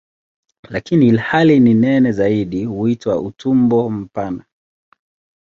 Lakini ilhali ni nene zaidi huitwa "utumbo mpana".